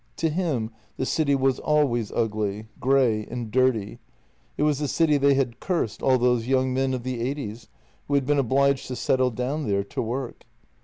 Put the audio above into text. To him the city was always ugly, grey, and dirty; it was the city they had cursed, all those young men of the eighties who had been obliged to settle down there to work.